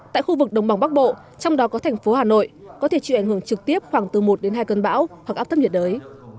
tại khu vực đồng bằng bắc bộ trong đó có thành phố hà nội có thể chịu ảnh hưởng trực tiếp khoảng từ một đến hai cơn bão hoặc áp thấp nhiệt đới